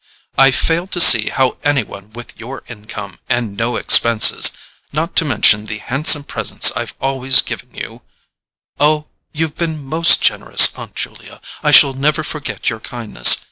"I fail to see how any one with your income, and no expenses—not to mention the handsome presents I've always given you——" "Oh, you've been most generous, Aunt Julia; I shall never forget your kindness.